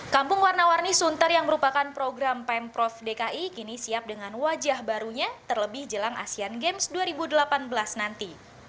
kampung warna warni sunter yang merupakan program pemprov dki kini siap dengan wajah barunya terlebih jelang asean games dua ribu delapan belas nanti